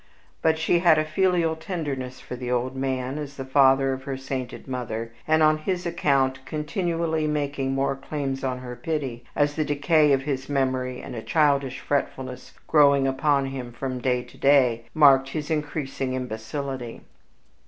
But she had a filial tenderness for the old man, as the father of her sainted mother, and on his own account, continually making more claims on her pity, as the decay of his memory, and a childish fretfulness growing upon him from day to day, marked his increasing imbecility.